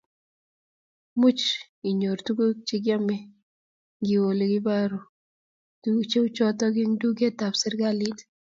Much inyoru tuguk chekiame ngiwe ole kibaru tuguk cheuchotok eng duket tab serikali